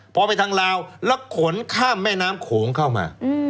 พอไปทางลาวแล้วขนข้ามแม่น้ำโขงเข้ามา